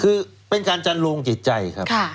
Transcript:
คือเป็นการจันโลงจิตใจครับ